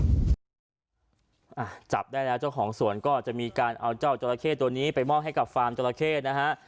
จับได้แล้วเจ้าของสวนก็จะมีการเอาเจ้าจราเข้ตัวนี้ไปมอบให้กับฟาร์มจราเข้นะฮะ